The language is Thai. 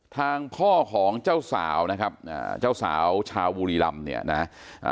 ทางพ่อของเจ้าสาวนะครับอ่าเจ้าสาวชาวบุรีรำเนี่ยนะอ่า